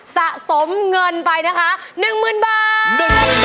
สะสมเงินไปนะคะ๑๐๐๐บาท